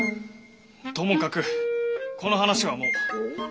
ともかくこの話はもう。